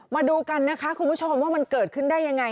มาดูกันนะคะคุณผู้ชมว่ามันเกิดขึ้นได้ยังไง